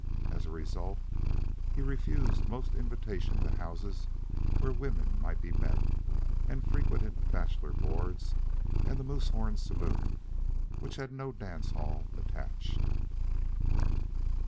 As a result he refused most invitations to houses where women might be met, and frequented bachelor boards and the Moosehorn Saloon, which had no dance hall attached.